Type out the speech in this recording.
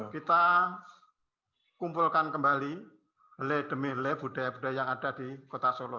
kita kumpulkan kembali le demi le budaya budaya yang ada di kota solo